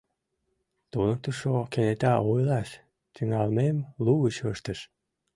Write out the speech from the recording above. — Туныктышо кенета ойлаш тӱҥалмем лугыч ыштыш.